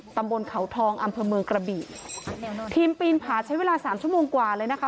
ตำบลเขาทองอำเภอเมืองกระบี่ทีมปีนผาใช้เวลาสามชั่วโมงกว่าเลยนะคะ